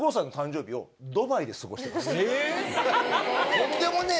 とんでもねえな。